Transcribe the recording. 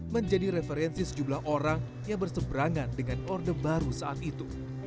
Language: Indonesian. menjadi referensi sejumlah orang yang berseberangan dengan orde baru saat itu